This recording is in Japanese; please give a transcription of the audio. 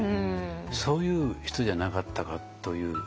そういう人じゃなかったかという。